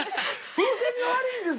風船が悪いんです。